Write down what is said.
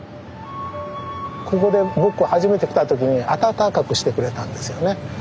ここで僕が初めて来た時に温かくしてくれたんですよね。